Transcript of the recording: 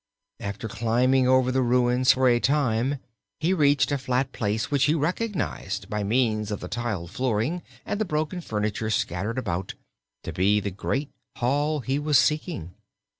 After climbing over the ruins for a time he reached a flat place which he recognized, by means of the tiled flooring and the broken furniture scattered about, to be the great hall he was seeking.